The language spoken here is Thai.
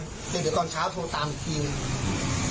เดี๋ยวเดี๋ยวก่อนเช้าโทรตามอีกที